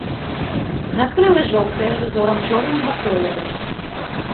Надкрылы жоўтыя, з узорам чорнага колеру.